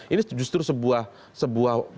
ini justru sebuah